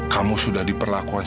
kamu sudah diperlakukan